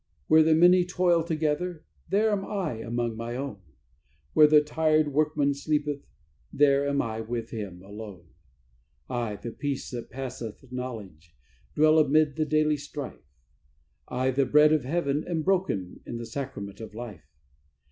"Where the many toil together, there am I among my own; Where the tired workman sleepeth, there am I with him alone. "I, the peace that passeth knowledge, dwell amid the daily strife; I, the bread of heaven, am broken in the sacrament of life.